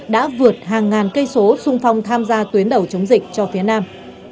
đã vượt hàng ngàn cây số sung phong tham gia tuyến đầu chống dịch cho phía nam